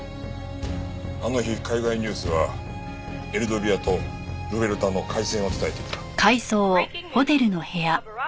あの日海外ニュースはエルドビアとルベルタの開戦を伝えていた。